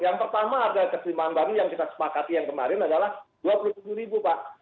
yang pertama harga keserimbangan baru yang kita sepakati yang kemarin adalah rp dua puluh tujuh ribu pak